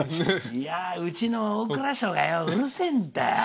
うちの大蔵省が、うるせえんだよ。